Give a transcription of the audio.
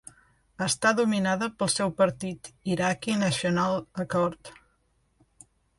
Està dominada pel seu partit Iraqi National Accord.